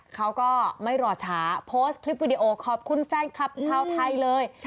เขาก็ไม่รอช้าโพสต์คลิปวิดีโอขอบคุณแฟนคลับชาวไทยเลย